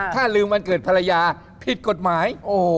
ค่ะเรียงวันเกิดภรรยาผิดกฎหมาย